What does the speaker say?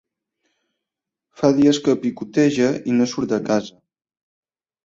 Fa dies que pioqueja i no surt de casa.